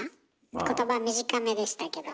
言葉短めでしたけども。